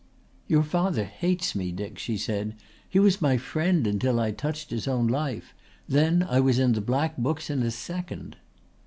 "Your father hates me, Dick," she said. "He was my friend until I touched his own life. Then I was in the black books in a second."